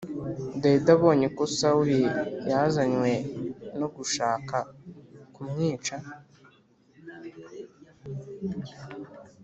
Dawidi abonye ko Sawuli yazanywe no gushaka kumwica